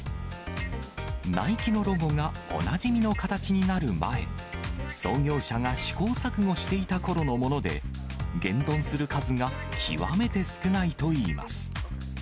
ナイキのロゴがおなじみの形になる前、創業者が試行錯誤していたころのもので、現存する数が極めて少ないといいます。